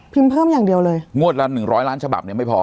เพิ่มอย่างเดียวเลยงวดละหนึ่งร้อยล้านฉบับเนี่ยไม่พอ